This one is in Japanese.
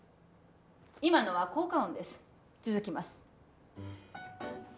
今のは効果音です続きます